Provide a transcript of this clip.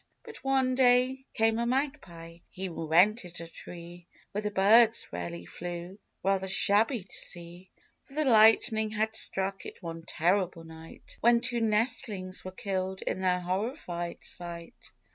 But, one day came a Magpie ; he rented a tree Where the birds rarely flew, — rather shabby to see, — For the lightning had struck it one terrible night, When two nestlings were killed in their horrified sight.